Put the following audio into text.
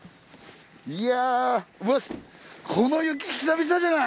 いやうわこの雪久々じゃない？